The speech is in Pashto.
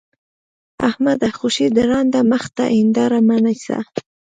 احمده! خوشې د ړانده مخ ته هېنداره مه نيسه.